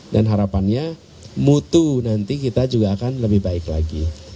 dan harapannya mutu nanti kita juga akan lebih baik lagi